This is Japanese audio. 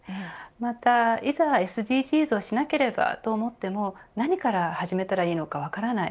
また、いざＳＤＧｓをしなければと思っても何から始めたらいいのか分からない